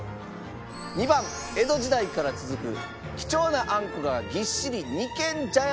２番江戸時代から続く貴重なあんこがぎっしり二軒茶屋餅か。